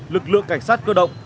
lực lượng cảnh sát cơ động